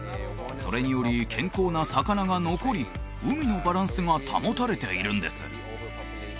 それにより健康な魚が残り海のバランスが保たれているんです